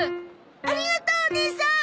ありがとうお姉さん。